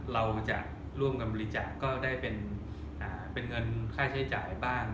เราจะร่วมกันบริจาคก็ได้เป็นเงินค่าใช้จ่ายบ้าง